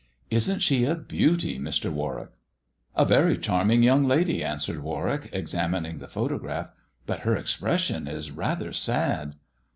Isn't she a beauty, Mr. Warwick ?" "A very charming young lady," answered Warwick, examining the photograph, " but her expression is rather sad."